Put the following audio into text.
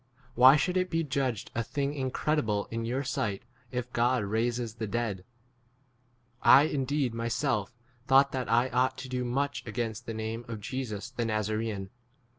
Why should it be judged a thing incredible in your sight if God raises the dead ? 9 1 indeed myself thought that I ought to do much against the name 10 of Jesus the Nazaraaan.